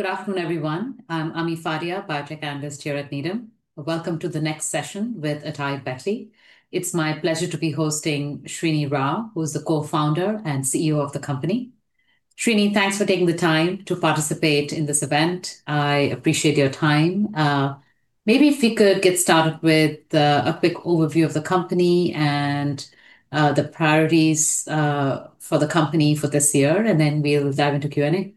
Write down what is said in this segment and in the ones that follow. Good afternoon, everyone. I'm Ami Fadia, biotech analyst here at Needham. Welcome to the next session with AtaiBeckley. It's my pleasure to be hosting Srini Rao, who's the co-founder and CEO of the company. Srini, thanks for taking the time to participate in this event. I appreciate your time. Maybe if we could get started with a quick overview of the company and the priorities for the company for this year, and then we'll dive into Q&A.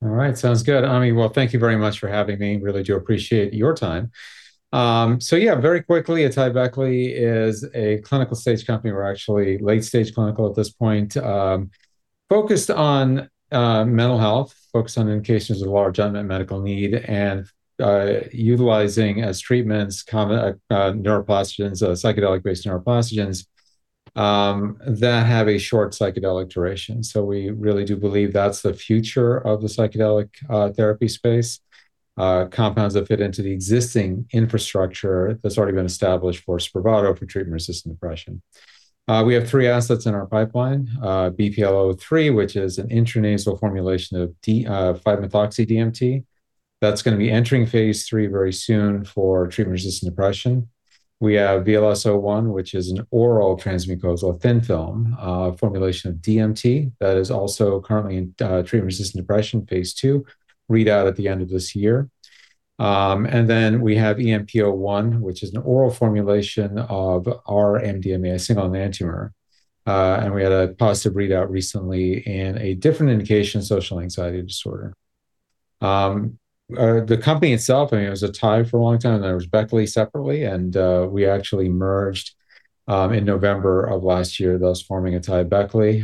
All right. Sounds good, Ami. Well, thank you very much for having me. Really do appreciate your time. Yeah, very quickly, AtaiBeckley is a clinical-stage company. We're actually late-stage clinical at this point, focused on mental health, focused on indications of large unmet medical need, and utilizing as treatments common neuroplastogens, psychedelic-based neuroplastogens that have a short psychedelic duration. We really do believe that's the future of the psychedelic therapy space. Compounds that fit into the existing infrastructure that's already been established for Spravato for treatment-resistant depression. We have three assets in our pipeline, BPL-003, which is an intranasal formulation of 5-MeO-DMT. That's going to be entering phase III very soon for treatment-resistant depression. We have VLS-01, which is an oral transmucosal thin film formulation of DMT that is also currently in treatment-resistant depression, phase II, readout at the end of this year. We have EMP-01, which is an oral formulation of R-MDMA, single enantiomer. We had a positive readout recently in a different indication, social anxiety disorder. The company itself, it was atai for a long time, and it was Beckley separately, and we actually merged in November of last year, thus forming AtaiBeckley.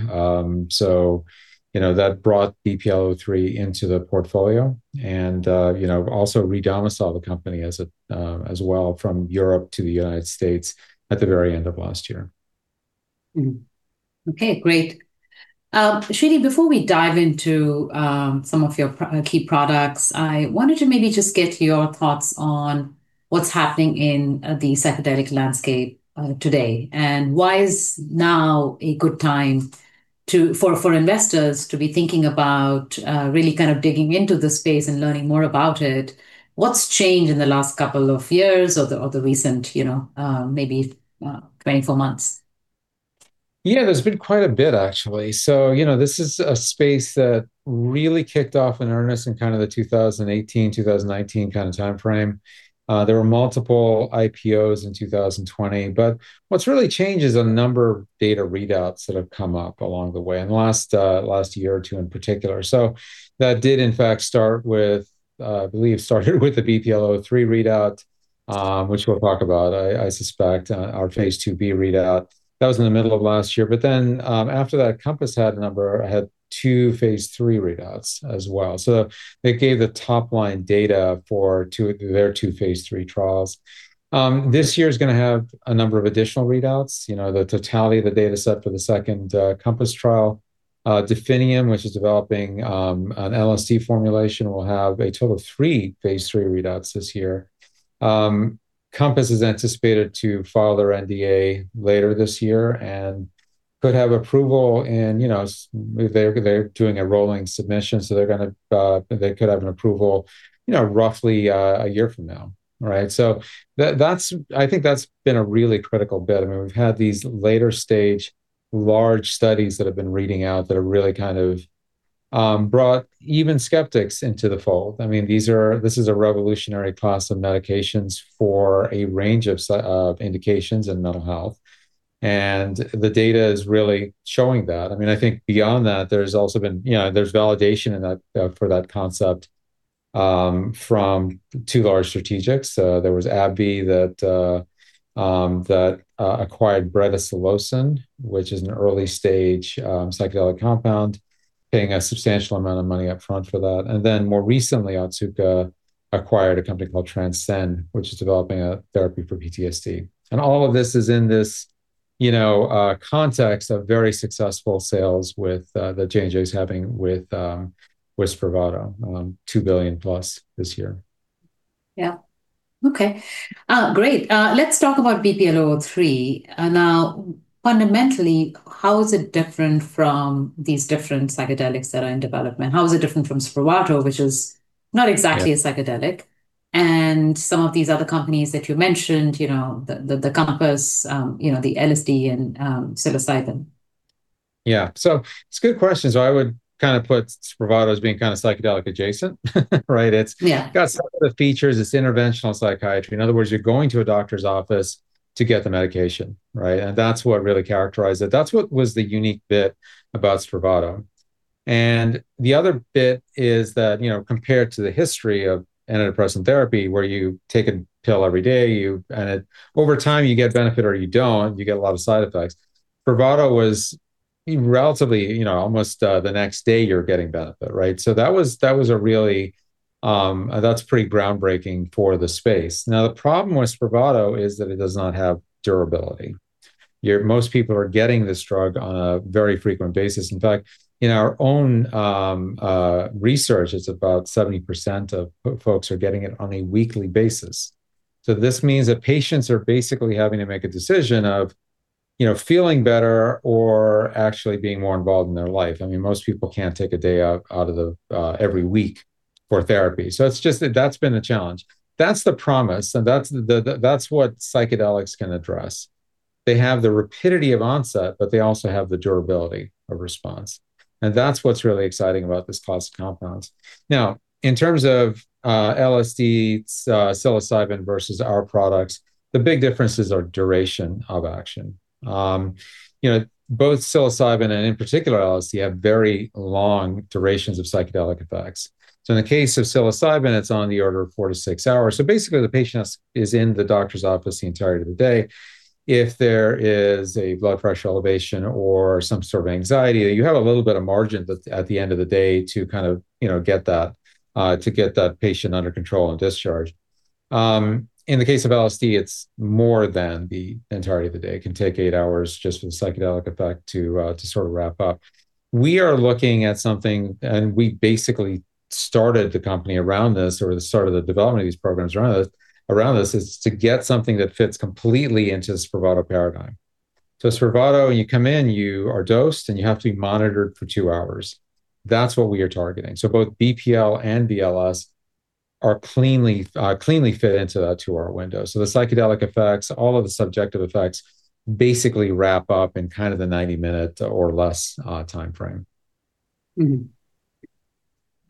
That brought BPL-003 into the portfolio and also redomiciled the company as well from Europe to the United States at the very end of last year. Okay, great. Srini, before we dive into some of your key products, I wanted to maybe just get your thoughts on what's happening in the psychedelic landscape today, and why is now a good time for investors to be thinking about really kind of digging into the space and learning more about it? What's changed in the last couple of years or the recent maybe 24 months? Yeah, there's been quite a bit, actually. This is a space that really kicked off in earnest in kind of the 2018, 2019 kind of timeframe. There were multiple IPOs in 2020. What's really changed is a number of data readouts that have come up along the way, and the last year or two in particular. That did in fact start with, I believe, the BPL-003 readout, which we'll talk about, I suspect, our phase IIb readout. That was in the middle of last year. After that, Compass had two phase III readouts as well. They gave the top-line data for their two phase III trials. This year is going to have a number of additional readouts. The totality of the data set for the second Compass trial. MindMed, which is developing an LSD formulation, will have a total of 3 phase III readouts this year. Compass is anticipated to file their NDA later this year and could have approval. They're doing a rolling submission, so they could have an approval roughly a year from now. Right? I think that's been a really critical bit. We've had these later-stage, large studies that have been reading out that have really kind of brought even skeptics into the fold. This is a revolutionary class of medications for a range of indications in mental health, and the data is really showing that. I think beyond that, there's validation for that concept from two large strategics. There was AbbVie that acquired uncertain, which is an early-stage psychedelic compound, paying a substantial amount of money up front for that. Then more recently, Otsuka acquired a company called Transcend, which is developing a therapy for PTSD. All of this is in this context of very successful sales that Johnson & Johnson is having with Spravato, $2 billion-plus this year. Yeah. Okay, great. Let's talk about BPL-003. Now, fundamentally, how is it different from these different psychedelics that are in development? How is it different from Spravato, which is not exactly- Yeah a psychedelic, and some of these other companies that you mentioned, the Compass, the LSD, and psilocybin? Yeah. It's a good question. I would kind of put Spravato as being kind of psychedelic adjacent, right? Yeah. It's got some of the features. It's interventional psychiatry. In other words, you're going to a doctor's office to get the medication, right? That's what really characterized it. That's what was the unique bit about Spravato. The other bit is that compared to the history of antidepressant therapy, where you take a pill every day, and over time, you get benefit or you don't, you get a lot of side effects, Spravato was relatively almost the next day you're getting benefit, right? That's pretty groundbreaking for the space. Now, the problem with Spravato is that it does not have durability. Most people are getting this drug on a very frequent basis. In fact, in our own research, it's about 70% of folks are getting it on a weekly basis. This means that patients are basically having to make a decision of. You know, feeling better or actually being more involved in their life. Most people can't take a day out every week for therapy. That's been a challenge. That's the promise, and that's what psychedelics can address. They have the rapidity of onset, but they also have the durability of response. That's what's really exciting about this class of compounds. Now, in terms of LSD, psilocybin versus our products, the big differences are duration of action. Both psilocybin and, in particular, LSD, have very long durations of psychedelic effects. In the case of psilocybin, it's on the order of 4-6 hours. Basically, the patient is in the doctor's office the entirety of the day. If there is a blood pressure elevation or some sort of anxiety, you have a little bit of margin at the end of the day to kind of get that patient under control and discharged. In the case of LSD, it's more than the entirety of the day. It can take 8 hours just for the psychedelic effect to sort of wrap up. We are looking at something, and we basically started the company around this, or the start of the development of these programs around this, is to get something that fits completely into the Spravato paradigm. Spravato, you come in, you are dosed, and you have to be monitored for 2 hours. That's what we are targeting. Both BPL and BLS are cleanly fit into that two-hour window. The psychedelic effects, all of the subjective effects, basically wrap up in kind of the 90-minute or less timeframe.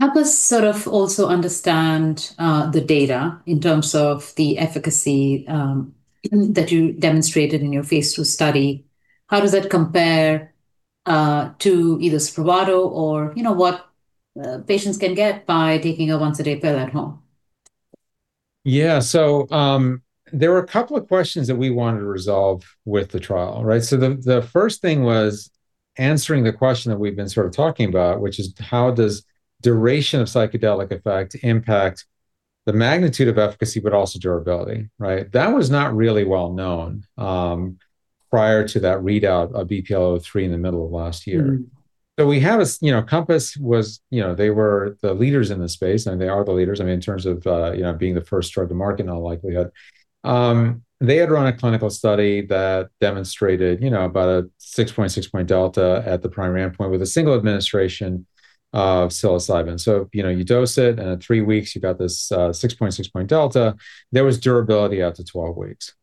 Help us sort of also understand the data in terms of the efficacy that you demonstrated in your phase II study. How does it compare to either Spravato or what patients can get by taking a once-a-day pill at home? Yeah. There were a couple of questions that we wanted to resolve with the trial, right? The first thing was answering the question that we've been sort of talking about, which is how does duration of psychedelic effect impact the magnitude of efficacy but also durability, right? That was not really well known prior to that readout of BPL-003 in the middle of last year. Mm-hmm. Compass, they were the leaders in the space, and they are the leaders in terms of being the first drug to market in all likelihood. They had run a clinical study that demonstrated about a 6.6-point delta at the primary endpoint with a single administration of psilocybin. You dose it, and at 3 weeks you got this 6.6-point delta. There was durability out to 12 weeks.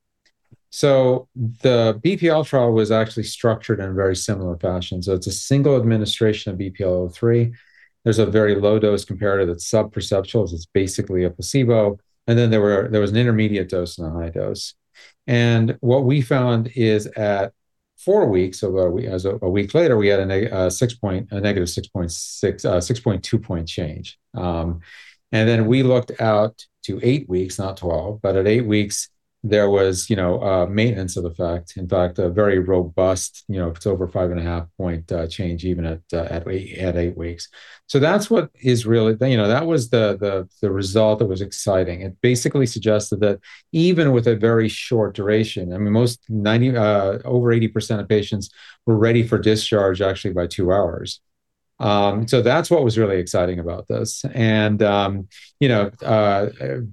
The BPL-003 trial was actually structured in a very similar fashion. It's a single administration of BPL-003. There's a very low dose comparator that's sub-perceptual, so it's basically a placebo. And then there was an intermediate dose and a high dose. And what we found is at 4 weeks, so a week later, we had a negative 6.2-point change. And then we looked out to 8 weeks, not 12, but at 8 weeks, there was maintenance of effect. In fact, a very robust, it's over a 5.5-point change even at 8 weeks. That was the result that was exciting. It basically suggested that even with a very short duration, over 80% of patients were ready for discharge actually by 2 hours. That's what was really exciting about this. Beyond that,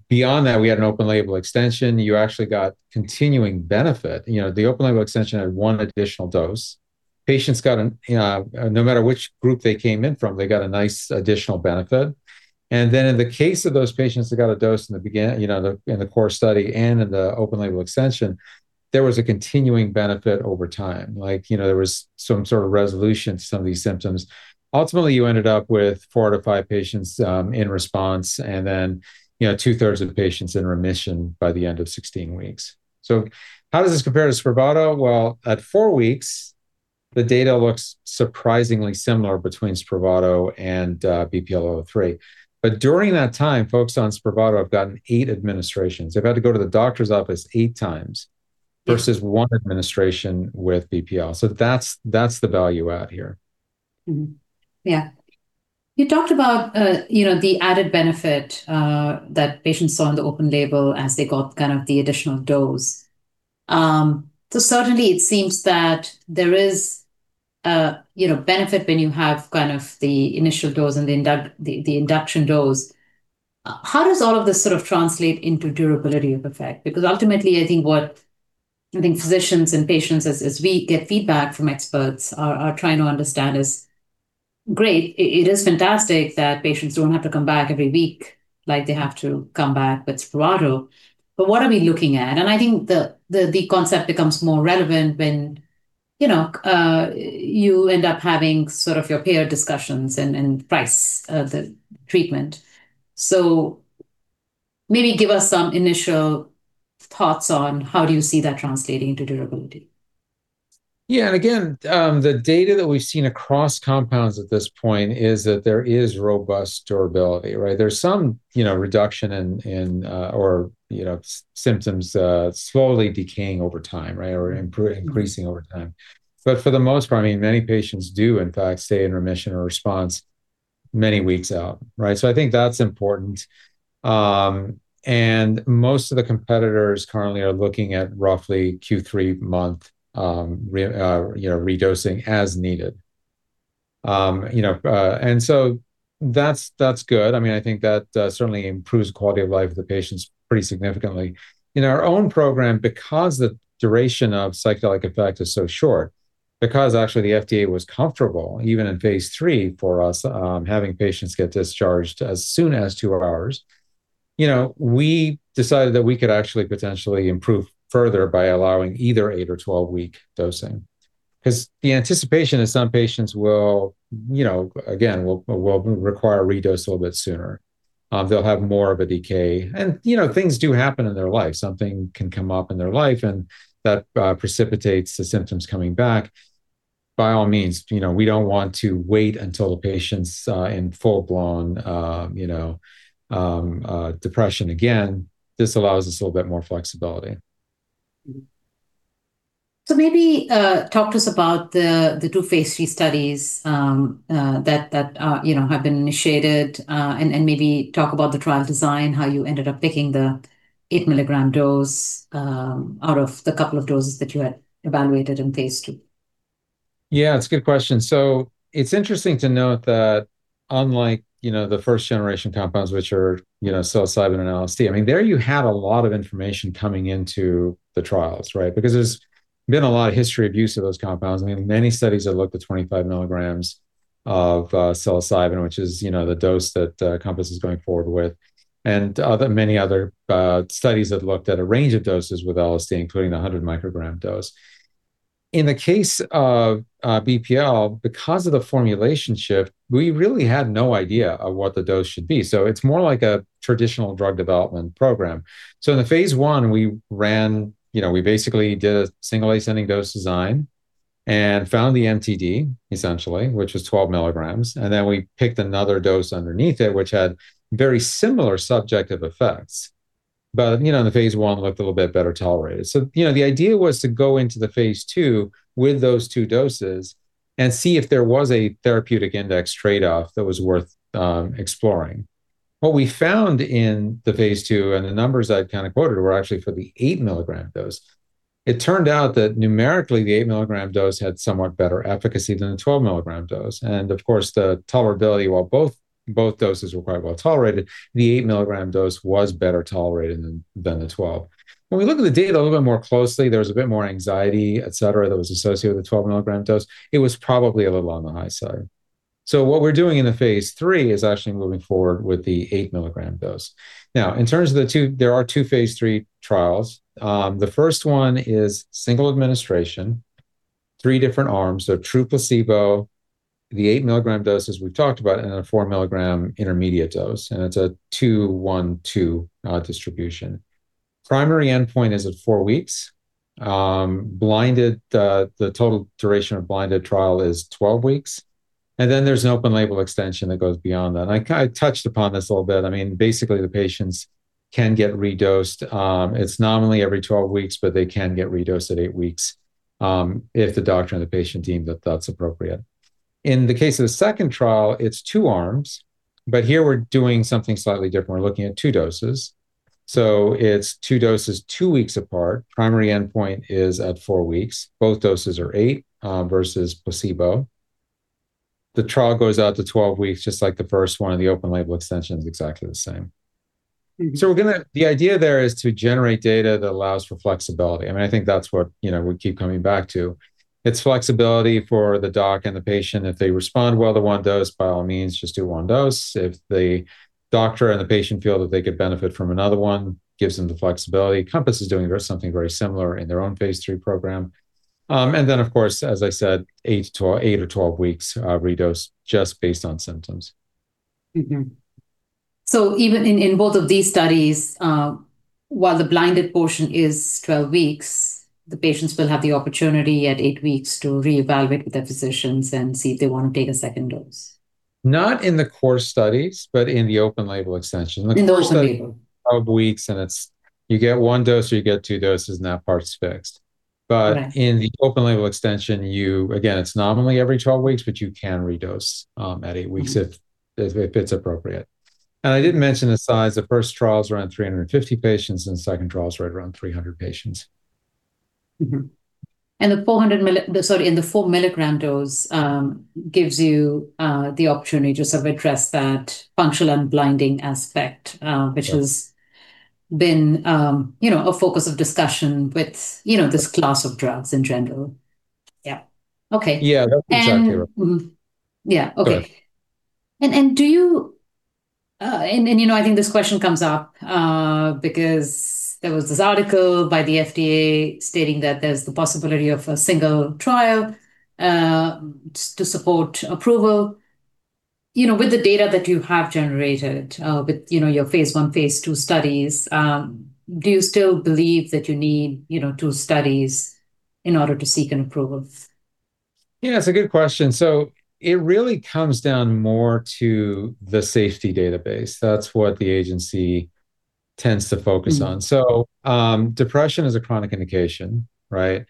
we had an open-label extension. You actually got continuing benefit. The open-label extension had 1 additional dose. No matter which group they came in from, they got a nice additional benefit. Then in the case of those patients that got a dose in the core study and in the open-label extension, there was a continuing benefit over time. There was some sort of resolution to some of these symptoms. Ultimately, you ended up with 4-5 patients in response, and then two-thirds of the patients in remission by the end of 16 weeks. How does this compare to Spravato? Well, at 4 weeks, the data looks surprisingly similar between Spravato and BPL-003. During that time, folks on Spravato have gotten 8 administrations. They've had to go to the doctor's office 8 times versus 1 administration with BPL-003. That's the value add here. You talked about the added benefit that patients saw on the open label as they got kind of the additional dose. Certainly, it seems that there is a benefit when you have kind of the initial dose and the induction dose. How does all of this sort of translate into durability of effect? Because ultimately, I think what physicians and patients, as we get feedback from experts, are trying to understand is, great, it is fantastic that patients don't have to come back every week like they have to come back with Spravato, but what are we looking at? I think the concept becomes more relevant when you end up having sort of your payer discussions and price of the treatment. Maybe give us some initial thoughts on how do you see that translating to durability. Yeah. Again, the data that we've seen across compounds at this point is that there is robust durability, right? There's some reduction or symptoms slowly decaying over time, right, or increasing over time. For the most part, many patients do in fact stay in remission or response many weeks out, right? I think that's important. Most of the competitors currently are looking at roughly 3-month redosing as needed. You know, that's good. I think that certainly improves quality of life of the patients pretty significantly. In our own program, because the duration of psychedelic effect is so short because actually the FDA was comfortable even in phase III for us, having patients get discharged as soon as 2 hours. We decided that we could actually potentially improve further by allowing either 8- or 12-week dosing. Because the anticipation is some patients will, again, require a redose a little bit sooner. They'll have more of a decay. Things do happen in their life. Something can come up in their life, and that precipitates the symptoms coming back. By all means, we don't want to wait until the patient's in full-blown depression again. This allows us a little bit more flexibility. Maybe talk to us about the two phase III studies that have been initiated. Maybe talk about the trial design, how you ended up picking the 8-milligram dose out of the couple of doses that you had evaluated in phase II. Yeah, it's a good question. It's interesting to note that unlike the first generation compounds, which are psilocybin and LSD, there you had a lot of information coming into the trials, right? Because there's been a lot of history of use of those compounds. Many studies have looked at 25 milligrams of psilocybin, which is the dose that Compass is going forward with. Other, many other studies have looked at a range of doses with LSD, including the 100-microgram dose. In the case of BPL, because of the formulation shift, we really had no idea of what the dose should be. It's more like a traditional drug development program. In the phase I, we basically did a single ascending dose design and found the MTD, essentially, which was 12 milligrams. Then we picked another dose underneath it, which had very similar subjective effects. The phase I looked a little bit better tolerated. The idea was to go into the phase II with those two doses and see if there was a therapeutic index trade-off that was worth exploring. What we found in the phase II, and the numbers I've kind of quoted, were actually for the 8-milligram dose. It turned out that numerically, the 8-milligram dose had somewhat better efficacy than the 12-milligram dose. Of course, the tolerability, while both doses were quite well-tolerated, the 8-milligram dose was better tolerated than the 12. When we look at the data a little bit more closely, there was a bit more anxiety, et cetera, that was associated with the 12-milligram dose. It was probably a little on the high side. What we're doing in the phase III is actually moving forward with the 8-milligram dose. Now, in terms of the two, there are two phase III trials. The first one is single administration, 3 different arms, so true placebo, the 8-milligram dose, as we've talked about, and a 4-milligram intermediate dose, and it's a 2, 1, 2 distribution. Primary endpoint is at 4 weeks. The total duration of blinded trial is 12 weeks. There's an open-label extension that goes beyond that. I kind of touched upon this a little bit. Basically, the patients can get redosed. It's nominally every 12 weeks, but they can get redosed at 8 weeks, if the doctor and the patient deem that that's appropriate. In the case of the second trial, it's 2 arms. Here we're doing something slightly different. We're looking at 2 doses. So it's 2 doses 2 weeks apart. Primary endpoint is at 4 weeks. Both doses are 8, versus placebo. The trial goes out to 12 weeks, just like the first one, and the open-label extension is exactly the same. The idea there is to generate data that allows for flexibility. I think that's what we keep coming back to. It's flexibility for the doc and the patient. If they respond well to one dose, by all means, just do one dose. If the doctor and the patient feel that they could benefit from another one, gives them the flexibility. Compass is doing something very similar in their own phase III program. Of course, as I said, 8 or 12 weeks redose just based on symptoms. Even in both of these studies, while the blinded portion is 12 weeks, the patients will have the opportunity at 8 weeks to reevaluate with their physicians and see if they want to take a second dose. Not in the core studies, but in the open-label extension. In the open-label. The core study is 12 weeks, and it's you get one dose, or you get two doses, and that part's fixed. Right. In the open-label extension, again, it's nominally every 12 weeks, but you can redose at 8 weeks if it's appropriate. I didn't mention the size. The first trial is around 350 patients, and the second trial is right around 300 patients. The 4 milligram dose gives you the opportunity to sort of address that functional unblinding aspect. Yeah which has been a focus of discussion with this class of drugs in general. Yeah. Okay. Yeah. That's exactly right. Mm-hmm. Yeah. Okay. Correct. I think this question comes up because there was this article by the FDA stating that there's the possibility of a single trial to support approval. With the data that you have generated with your phase I, phase II studies, do you still believe that you need two studies in order to seek an approval? Yeah, it's a good question. It really comes down more to the safety database. That's what the agency tends to focus on. Mm. Depression is a chronic indication, right?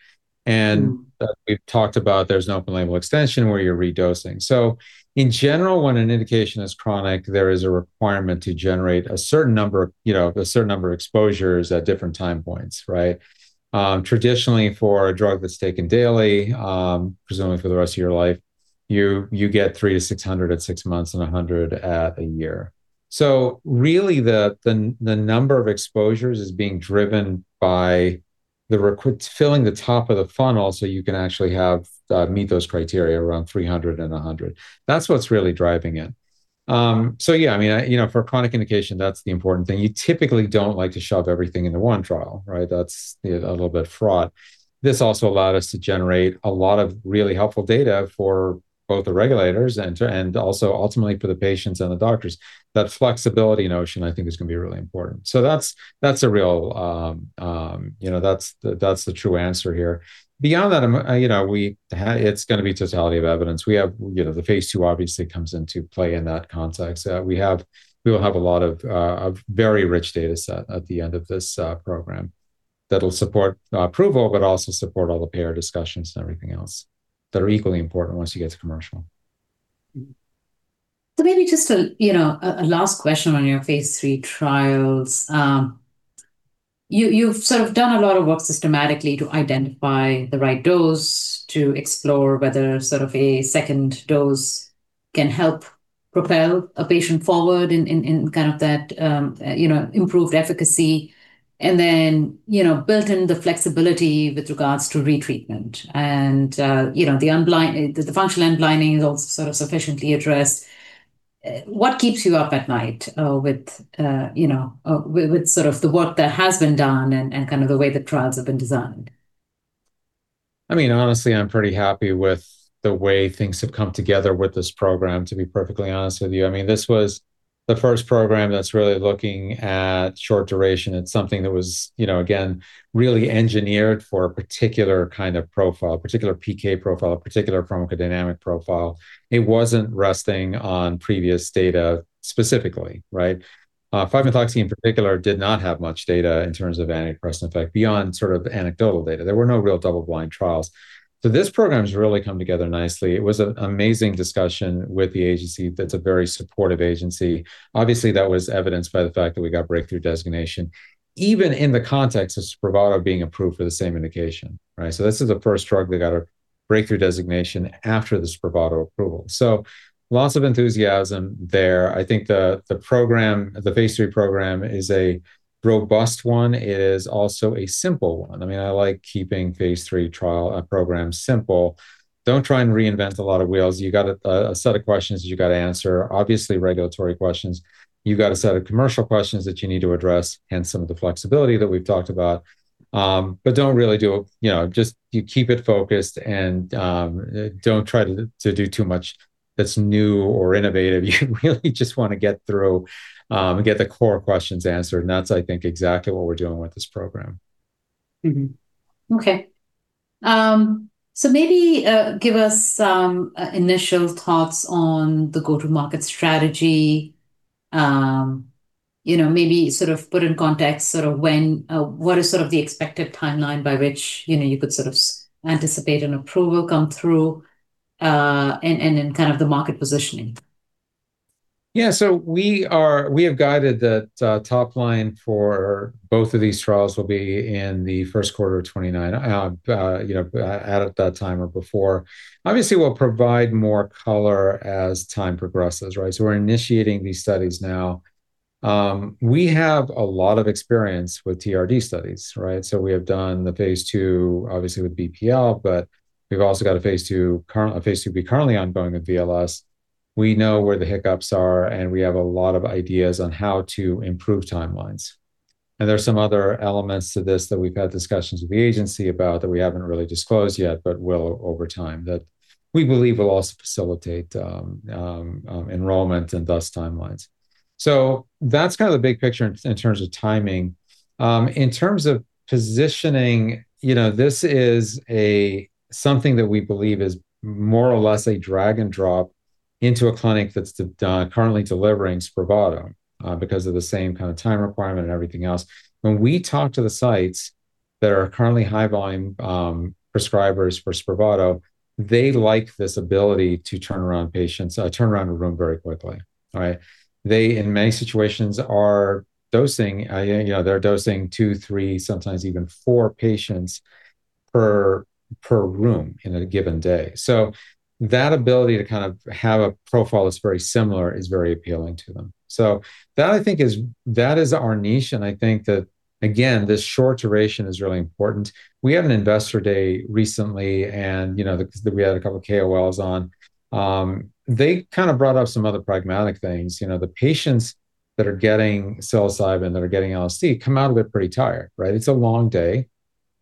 Mm. As we've talked about, there's an open-label extension where you're redosing. In general, when an indication is chronic, there is a requirement to generate a certain number of exposures at different time points, right? Traditionally, for a drug that's taken daily, presumably for the rest of your life. You get 300-600 at six months and 100 at a year. Really the number of exposures is being driven by the recruits filling the top of the funnel, so you can actually meet those criteria around 300 and 100. That's what's really driving it. Yeah, for a chronic indication, that's the important thing. You typically don't like to shove everything into one trial, right? That's a little bit fraught. This also allowed us to generate a lot of really helpful data for both the regulators, and also ultimately for the patients and the doctors. That flexibility notion, I think, is going to be really important. That's the true answer here. Beyond that, it's going to be totality of evidence. The phase II obviously comes into play in that context. We'll have a lot of very rich data set at the end of this program that'll support approval, but also support all the payer discussions and everything else that are equally important once you get to commercial. Maybe just a last question on your phase III trials. You've sort of done a lot of work systematically to identify the right dose, to explore whether sort of a second dose can help propel a patient forward in kind of that improved efficacy. Built in the flexibility with regards to retreatment. The functional unblinding is also sort of sufficiently addressed. What keeps you up at night with sort of the work that has been done and kind of the way the trials have been designed? Honestly, I'm pretty happy with the way things have come together with this program, to be perfectly honest with you. This was the first program that's really looking at short duration. It's something that was, again, really engineered for a particular kind of profile, a particular PK profile, a particular pharmacodynamic profile. It wasn't resting on previous data specifically, right? 5-methoxy in particular did not have much data in terms of antidepressant effect beyond sort of anecdotal data. There were no real double-blind trials. This program has really come together nicely. It was an amazing discussion with the agency that's a very supportive agency. Obviously, that was evidenced by the fact that we got breakthrough designation, even in the context of Spravato being approved for the same indication, right? This is the first drug that got a breakthrough designation after the Spravato approval. Lots of enthusiasm there. I think the phase III program is a robust one. It is also a simple one. I like keeping phase III trial programs simple. Don't try and reinvent a lot of wheels. You got a set of questions you got to answer. Obviously, regulatory questions. You've got a set of commercial questions that you need to address and some of the flexibility that we've talked about. Just you keep it focused and don't try to do too much that's new or innovative. You really just want to get through, and get the core questions answered, and that's, I think, exactly what we're doing with this program. Mm-hmm. Okay. Maybe give us some initial thoughts on the go-to-market strategy. Maybe sort of put in context what is sort of the expected timeline by which you could sort of anticipate an approval come through, and then kind of the market positioning. Yeah. We have guided the top line for both of these trials will be in the first quarter of 2029, at that time or before. Obviously, we'll provide more color as time progresses, right? We're initiating these studies now. We have a lot of experience with TRD studies, right? We have done the phase II, obviously, with BPL, but we've also got a phase IIb currently ongoing with VLS. We know where the hiccups are, and we have a lot of ideas on how to improve timelines. There are some other elements to this that we've had discussions with the agency about that we haven't really disclosed yet, but will over time, that we believe will also facilitate enrollment and thus timelines. That's kind of the big picture in terms of timing. In terms of positioning, this is something that we believe is more or less a drag and drop into a clinic that's currently delivering Spravato, because of the same kind of time requirement and everything else. When we talk to the sites that are currently high volume prescribers for Spravato, they like this ability to turn around a room very quickly. All right. They, in many situations, are dosing 2, 3, sometimes even 4 patients per room in a given day. So that ability to kind of have a profile that's very similar is very appealing to them. So that is our niche, and I think that, again, this short duration is really important. We had an investor day recently, and we had a couple of KOLs on. They kind of brought up some other pragmatic things. The patients that are getting psilocybin, that are getting LSD, come out of it pretty tired, right? It's a long day.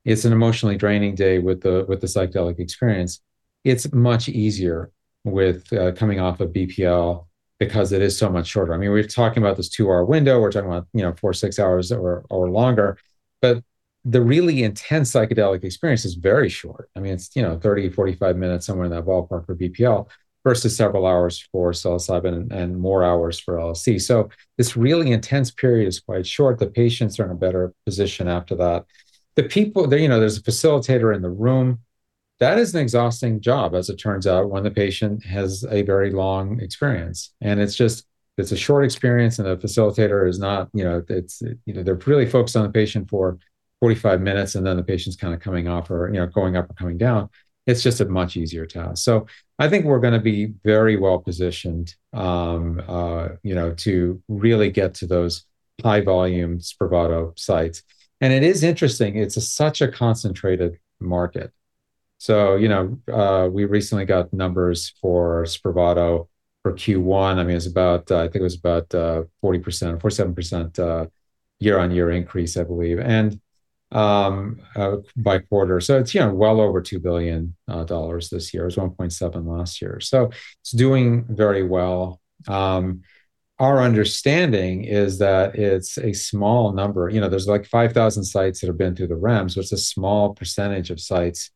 It's an emotionally draining day with the psychedelic experience. It's much easier with coming off of BPL because it is so much shorter. We're talking about this 2-hour window. We're talking about 4-6 hours or longer. The really intense psychedelic experience is very short. It's 30-45 minutes, somewhere in that ballpark for BPL versus several hours for psilocybin and more hours for LSD. This really intense period is quite short. The patients are in a better position after that. There's a facilitator in the room. That is an exhausting job, as it turns out, when the patient has a very long experience. It's just, if it's a short experience and the facilitator is. They're really focused on the patient for 45 minutes, and then the patient's kind of coming off or going up or coming down, it's just a much easier task. I think we're going to be very well-positioned to really get to those high-volume Spravato sites. It is interesting. It's such a concentrated market. We recently got numbers for Spravato for Q1. I think it was about 40% or 47% year-on-year increase, I believe, and by quarter. It's well over $2 billion this year. It was $1.7 last year. It's doing very well. Our understanding is that it's a small number. There's like 5,000 sites that have been through the REMS, so it's a small percentage of sites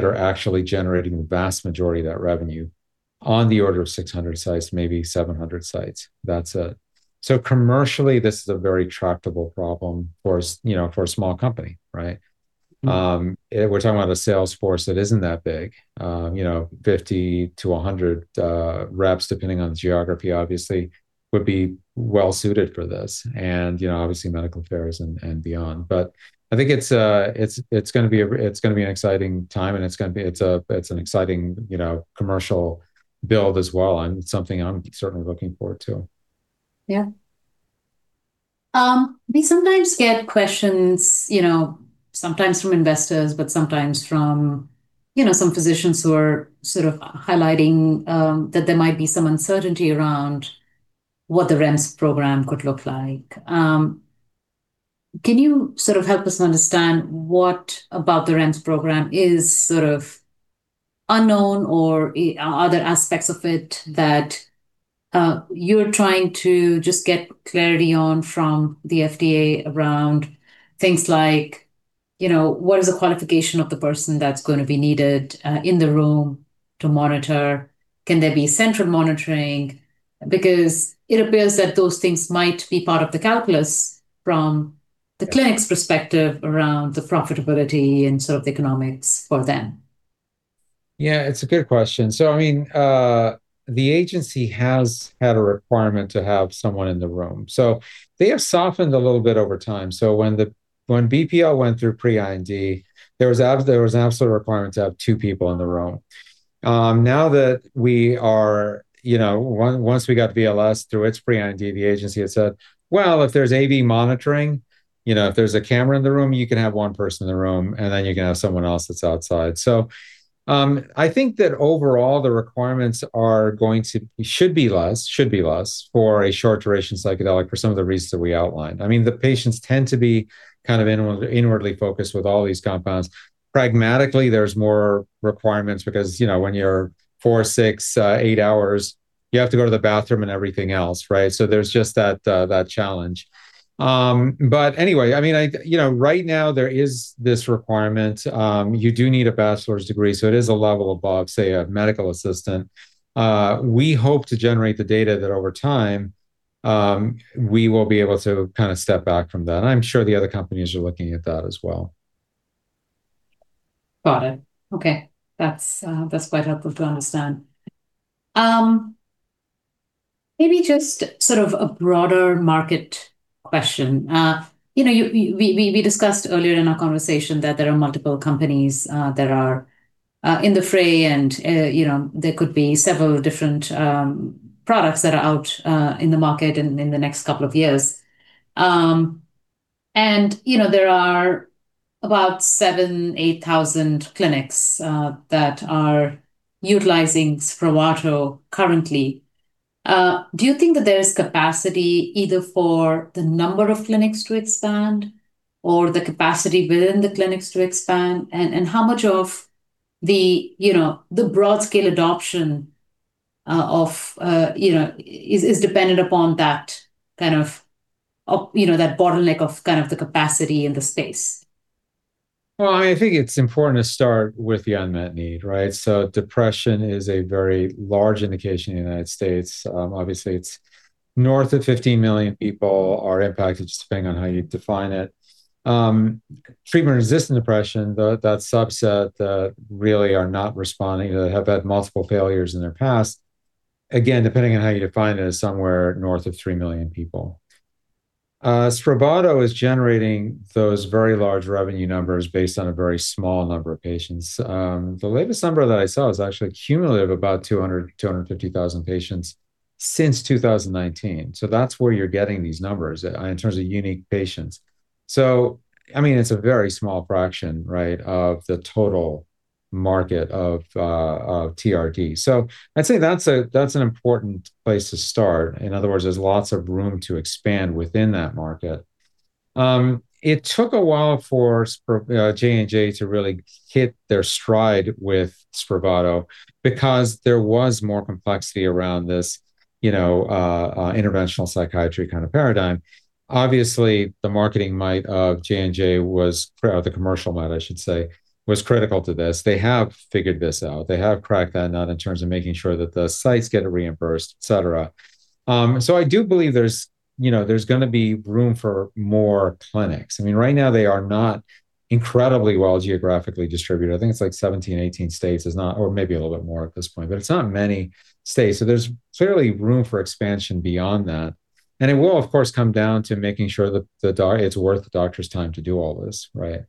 that are actually generating the vast majority of that revenue on the order of 600 sites, maybe 700 sites. Commercially, this is a very tractable problem for a small company, right? Mm-hmm. We're talking about a sales force that isn't that big. 50-100 reps, depending on the geography, obviously, would be well-suited for this. Obviously medical affairs and beyond. I think it's going to be an exciting time, and it's an exciting commercial build as well, and something I'm certainly looking forward to. Yeah. We sometimes get questions, sometimes from investors, but sometimes from some physicians who are sort of highlighting that there might be some uncertainty around what the REMS program could look like. Can you sort of help us understand what about the REMS program is sort of unknown, or are there aspects of it that you're trying to just get clarity on from the FDA around things like, what is the qualification of the person that's going to be needed in the room to monitor? Can there be central monitoring? Because it appears that those things might be part of the calculus from the clinic's perspective around the profitability and sort of the economics for them. Yeah, it's a good question. The agency has had a requirement to have someone in the room. They have softened a little bit over time. When BPL-003 went through pre-IND, there was an absolute requirement to have two people in the room. Once we got VLS-01 through its pre-IND, the agency had said, "Well, if there's AV monitoring, if there's a camera in the room, you can have one person in the room, and then you can have someone else that's outside." I think that overall the requirements should be less for a short-duration psychedelic for some of the reasons that we outlined. The patients tend to be kind of inwardly focused with all these compounds. Pragmatically, there's more requirements because, when you're 4, 6, 8 hours, you have to go to the bathroom and everything else, right? There's just that challenge. Anyway, right now there is this requirement. You do need a bachelor's degree, so it is a level above, say, a medical assistant. We hope to generate the data that over time, we will be able to kind of step back from that. I'm sure the other companies are looking at that as well. Got it. Okay. That's quite helpful to understand. Maybe just sort of a broader market question. We discussed earlier in our conversation that there are multiple companies that are in the fray, and there could be several different products that are out in the market in the next couple of years. There are about 7,000, 8,000 clinics that are utilizing Spravato currently. Do you think that there is capacity either for the number of clinics to expand or the capacity within the clinics to expand? How much of the broad-scale adoption is dependent upon that bottleneck of kind of the capacity in the space? Well, I think it's important to start with the unmet need, right? Depression is a very large indication in the United States. Obviously, it's north of 15 million people are impacted, just depending on how you define it. Treatment-resistant depression, that subset that really are not responding, that have had multiple failures in their past, again, depending on how you define it, is somewhere north of 3 million people. Spravato is generating those very large revenue numbers based on a very small number of patients. The latest number that I saw is actually cumulative, about 200,000-250,000 patients since 2019. That's where you're getting these numbers in terms of unique patients. It's a very small fraction of the total market of TRD. I'd say that's an important place to start. In other words, there's lots of room to expand within that market. It took a while for Johnson & Johnson to really hit their stride with Spravato because there was more complexity around this interventional psychiatry kind of paradigm. Obviously, the commercial might, I should say, of Johnson & Johnson was critical to this. They have figured this out. They have cracked that nut in terms of making sure that the sites get reimbursed, et cetera. I do believe there's going to be room for more clinics. Right now they are not incredibly well geographically distributed. I think it's like 17, 18 states or maybe a little bit more at this point, but it's not many states. There's clearly room for expansion beyond that. It will, of course, come down to making sure that it's worth the doctor's time to do all this, right?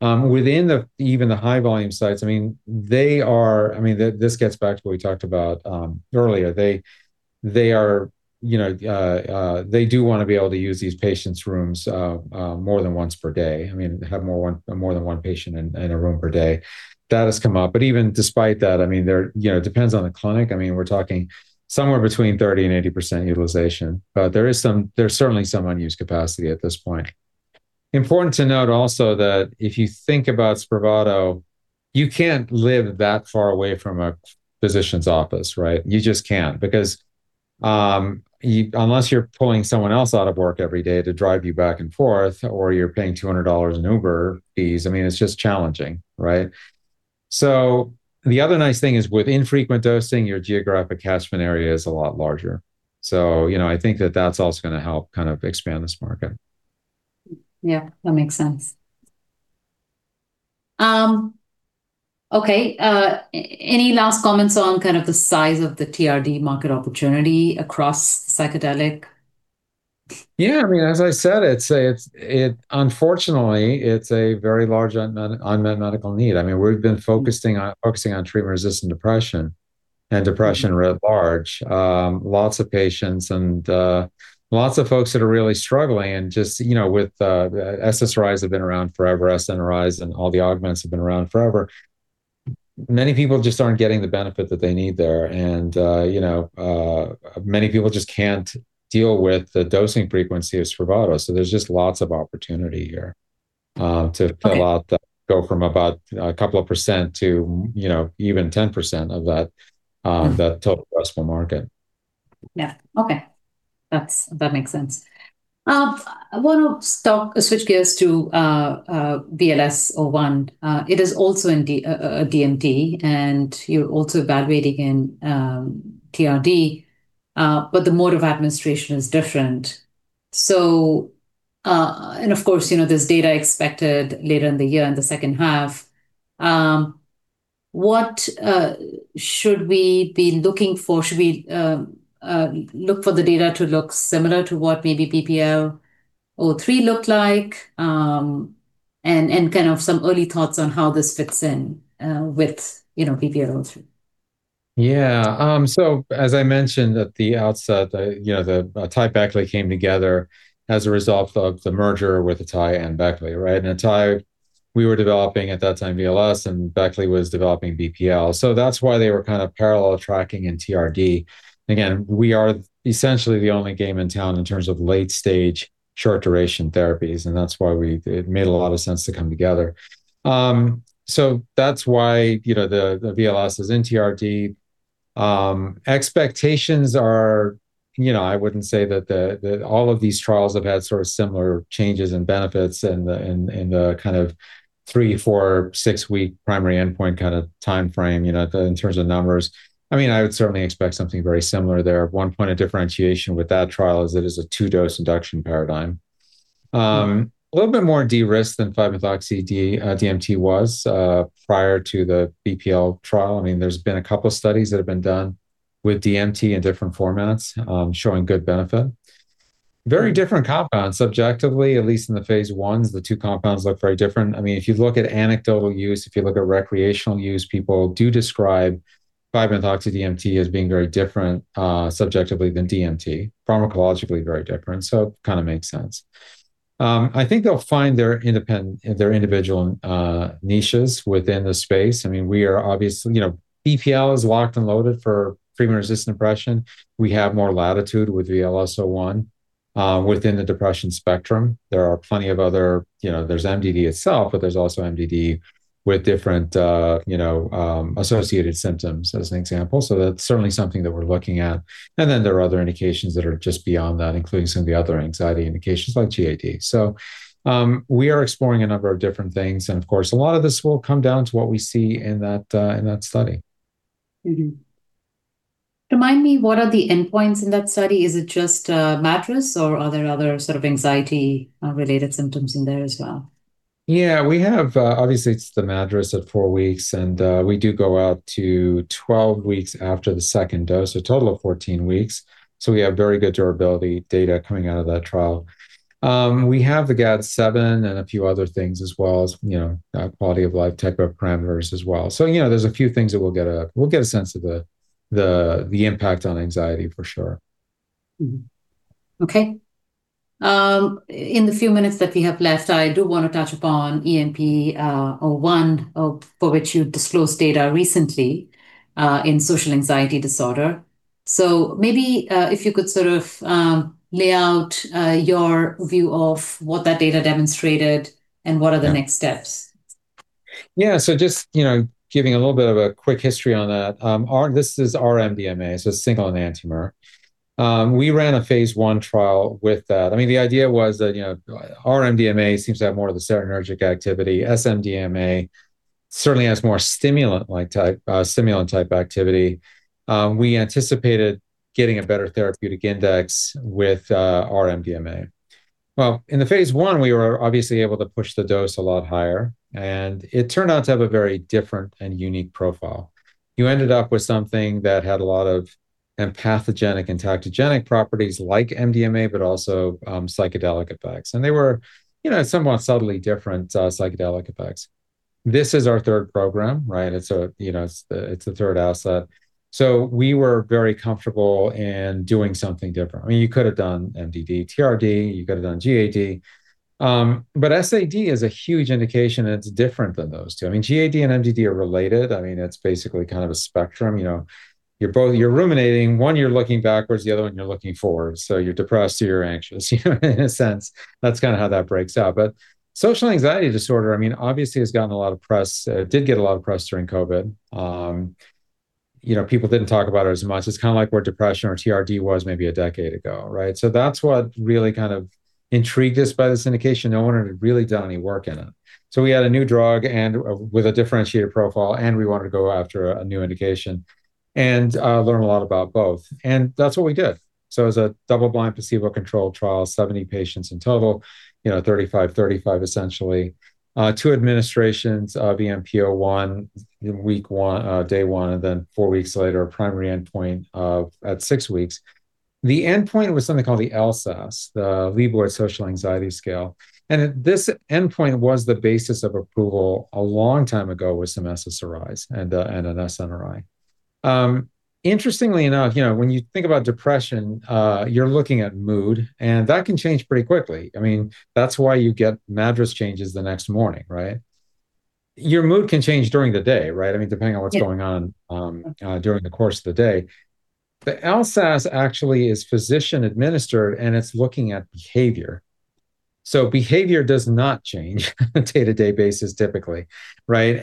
Within even the high volume sites, this gets back to what we talked about earlier. They do want to be able to use these patients' rooms more than once per day, have more than one patient in a room per day. That has come up. Even despite that, it depends on the clinic. We're talking somewhere between 30%-80% utilization. There's certainly some unused capacity at this point. Important to note also that if you think about Spravato, you can't live that far away from a physician's office, right? You just can't. Because unless you're pulling someone else out of work every day to drive you back and forth, or you're paying $200 in Uber fees, it's just challenging, right? The other nice thing is, with infrequent dosing, your geographic catchment area is a lot larger. I think that that's also going to help kind of expand this market. Yeah, that makes sense. Okay. Any last comments on kind of the size of the TRD market opportunity across psychedelic? Yeah. As I said, unfortunately, it's a very large unmet medical need. We've been focusing on treatment-resistant depression and depression writ large. Lots of patients and lots of folks that are really struggling. SSRIs have been around forever, SNRIs and all the augments have been around forever. Many people just aren't getting the benefit that they need there. Many people just can't deal with the dosing frequency of Spravato. There's just lots of opportunity here to fill out that gap from about 2%-10% of that total addressable market. Yeah. Okay. That makes sense. I want to switch gears to VLS-01. It is also a DMT, and you're also evaluating in TRD, but the mode of administration is different. Of course, there's data expected later in the year in the second half. What should we be looking for? Should we look for the data to look similar to what maybe BPL-003 looked like? Kind of some early thoughts on how this fits in with BPL-003. Yeah. As I mentioned at the outset, AtaiBeckley came together as a result of the merger with atai and Beckley, right? atai, we were developing, at that time, VLS, and Beckley was developing BPL. That's why they were kind of parallel tracking in TRD. Again, we are essentially the only game in town in terms of late-stage, short-duration therapies, and that's why it made a lot of sense to come together. That's why the VLS is in TRD. Expectations are. I wouldn't say that all of these trials have had sort of similar changes and benefits in the kind of 3, 4, 6-week primary endpoint kind of timeframe in terms of numbers. I would certainly expect something very similar there. One point of differentiation with that trial is that it's a 2-dose induction paradigm. A little bit more de-risked than 5-MeO-DMT was prior to the BPL trial. There's been a couple studies that have been done with DMT in different formats showing good benefit. Very different compounds subjectively, at least in the phase I ones. The two compounds look very different. If you look at anecdotal use, if you look at recreational use, people do describe 5-MeO-DMT as being very different subjectively than DMT. Pharmacologically very different. It kind of makes sense. I think they'll find their individual niches within the space. BPL is locked and loaded for treatment-resistant depression. We have more latitude with VLS-01 within the depression spectrum. There's MDD itself, but there's also MDD with different associated symptoms, as an example. That's certainly something that we're looking at. There are other indications that are just beyond that, including some of the other anxiety indications like GAD. We are exploring a number of different things, and of course, a lot of this will come down to what we see in that study. Remind me, what are the endpoints in that study? Is it just MADRS or are there other sort of anxiety-related symptoms in there as well? Yeah. Obviously, it's the MADRS at 4 weeks, and we do go out to 12 weeks after the second dose, a total of 14 weeks. We have very good durability data coming out of that trial. We have the GAD-7 and a few other things as well as quality-of-life type of parameters as well. There's a few things that we'll get a sense of the impact on anxiety, for sure. Mm-hmm. Okay. In the few minutes that we have left, I do want to touch upon EMP-01, for which you disclosed data recently in social anxiety disorder. Maybe if you could sort of lay out your view of what that data demonstrated and what are the next steps. Yeah. Just giving a little bit of a quick history on that. This is R-MDMA, so single enantiomer. We ran a phase I trial with that. The idea was that R-MDMA seems to have more of the serotonergic activity. S-MDMA certainly has more stimulant-type activity. We anticipated getting a better therapeutic index with our MDMA. Well, in the phase I, we were obviously able to push the dose a lot higher, and it turned out to have a very different and unique profile. You ended up with something that had a lot of empathogenic and entactogenic properties like MDMA, but also psychedelic effects. They were somewhat subtly different psychedelic effects. This is our third program, right? It's the third asset. We were very comfortable in doing something different. You could have done MDD, TRD, you could have done GAD. SAD is a huge indication, and it's different than those two. GAD and MDD are related. It's basically kind of a spectrum. You're ruminating. One, you're looking backwards, the other one, you're looking forward. You're depressed or you're anxious in a sense. That's kind of how that breaks out. Social anxiety disorder, obviously has gotten a lot of press, did get a lot of press during COVID. People didn't talk about it as much. It's kind of like where depression or TRD was maybe a decade ago, right? That's what really kind of intrigued us by this indication. No one had really done any work in it. We had a new drug and with a differentiated profile, and we wanted to go after a new indication and learn a lot about both. That's what we did. It was a double-blind, placebo-controlled trial, 70 patients in total, 35/35, essentially. 2 administrations of the MP-01 in day 1, and then 4 weeks later, a primary endpoint at 6 weeks. The endpoint was something called the LSAS, the Liebowitz Social Anxiety Scale. This endpoint was the basis of approval a long time ago with some SSRIs and an SNRI. Interestingly enough, when you think about depression, you're looking at mood, and that can change pretty quickly. That's why you get MADRS changes the next morning, right? Your mood can change during the day, right? Depending on what's going on during the course of the day. The LSAS actually is physician-administered, and it's looking at behavior. Behavior does not change on a day-to-day basis, typically, right?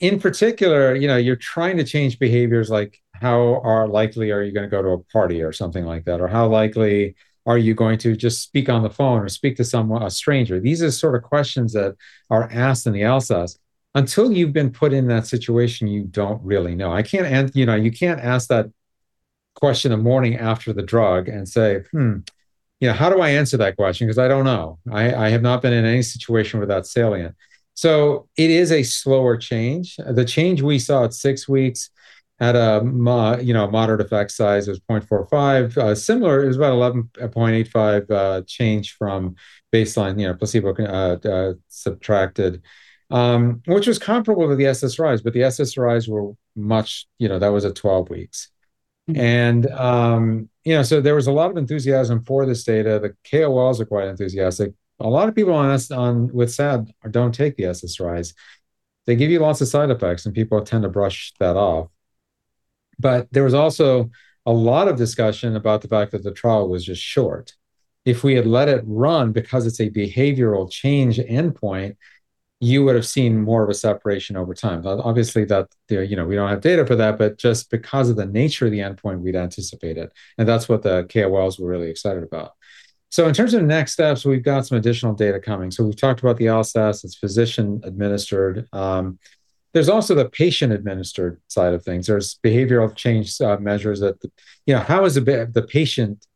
In particular, you're trying to change behaviors like how likely are you going to go to a party or something like that, or how likely are you going to just speak on the phone or speak to a stranger? These are sort of questions that are asked in the LSAS. Until you've been put in that situation, you don't really know. You can't ask that question the morning after the drug and say, "Hmm, how do I answer that question? Because I don't know. I have not been in any situation where that's salient." It is a slower change. The change we saw at six weeks at a moderate effect size was 0.45. Similar, it was about 0.85 change from baseline, placebo subtracted, which was comparable to the SSRIs, but the SSRIs were that was at 12 weeks. There was a lot of enthusiasm for this data. The KOLs are quite enthusiastic. A lot of people with SAD don't take the SSRIs. They give you lots of side effects, and people tend to brush that off. There was also a lot of discussion about the fact that the trial was just short. If we had let it run because it's a behavioral change endpoint, you would have seen more of a separation over time. Obviously, we don't have data for that, but just because of the nature of the endpoint, we'd anticipate it, and that's what the KOLs were really excited about. In terms of next steps, we've got some additional data coming. We've talked about the LSAS. It's physician-administered. There's also the patient-administered side of things. There's behavioral change measures that, how is the patient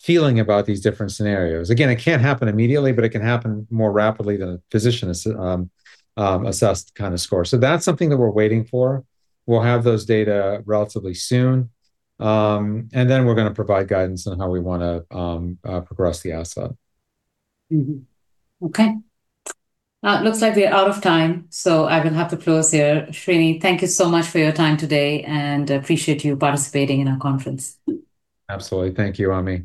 feeling about these different scenarios? Again, it can't happen immediately, but it can happen more rapidly than a physician-assessed kind of score. That's something that we're waiting for. We'll have those data relatively soon, and then we're going to provide guidance on how we want to progress the asset. It looks like we're out of time, I will have to close here. Srini, thank you so much for your time today, and I appreciate you participating in our conference. Absolutely. Thank you, Ami